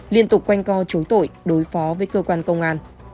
liên tục quanh co chối tội đối phó với cơ quan công an